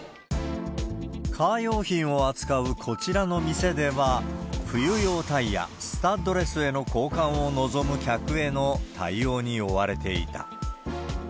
カー用品を扱うこちらの店では、冬用タイヤ、スタッドレスへの交換を望む客への対応に追われていた。